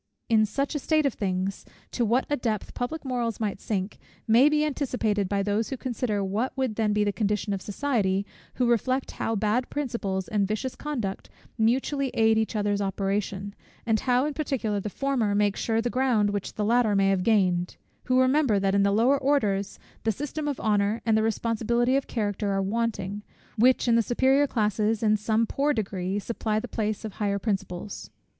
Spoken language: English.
In such a state of things, to what a depth public morals might sink, may be anticipated by those who consider what would then be the condition of society; who reflect how bad principles and vicious conduct mutually aid each other's operation, and how, in particular, the former make sure the ground which the latter may have gained; who remember, that in the lower orders, the system of honour, and the responsibility of character, are wanting, which in the superior classes, in some poor degree, supply the place of higher principles.